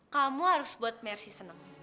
kamu harus membuat mercy senang